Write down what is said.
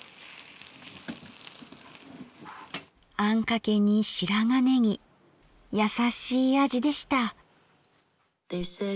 あんかけに白髪ねぎ優しい味でした。